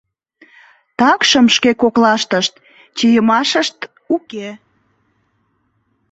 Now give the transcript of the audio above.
Такшым шке коклаштышт чийымашышт уке.